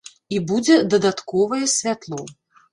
І будзе дадатковае святло.